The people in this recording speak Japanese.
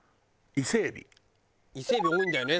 伊勢海老多いんだよね。